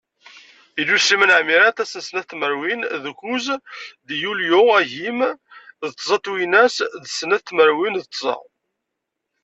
Ilul Sliman Ɛmirat ass n snat tmerwin d ukkuẓ deg yulyu agim d tẓa twinas d snat tmerwin d tẓa.